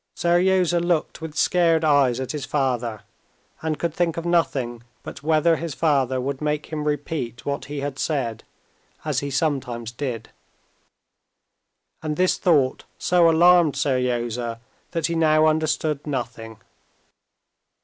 Seryozha looked with scared eyes at his father, and could think of nothing but whether his father would make him repeat what he had said, as he sometimes did. And this thought so alarmed Seryozha that he now understood nothing.